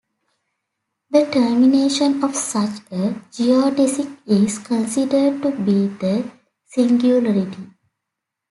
The termination of such a geodesic is considered to be the singularity.